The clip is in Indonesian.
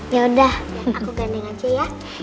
ya udah aku gandeng aja ya